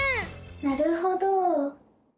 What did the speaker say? なるほど！